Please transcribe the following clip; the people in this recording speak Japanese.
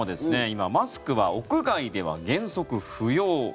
今、マスクは屋外では原則不要。